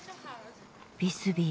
ビスビー